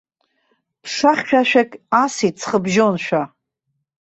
Ԥша хьшәашәак асит ҵхыбжьоншәа.